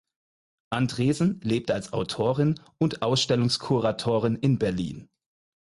Andresen lebt als Autorin und Ausstellungskuratorin in Berlin.